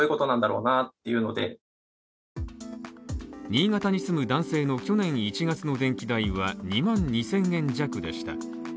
新潟に住む男性の去年１月の電気代は２万２０００円弱でした。